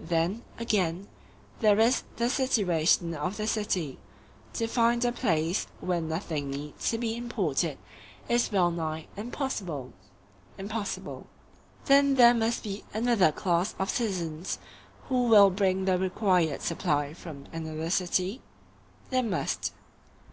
Then, again, there is the situation of the city—to find a place where nothing need be imported is wellnigh impossible. Impossible. Then there must be another class of citizens who will bring the required supply from another city? There must.